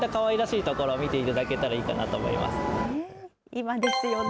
今ですよね。